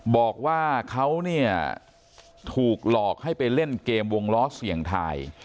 บอกว่าเขาเนี่ยถูกหลอกให้ไปเล่นเกมวงล้อเสี่ยงทาย